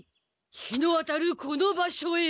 日の当たるこの場所へ！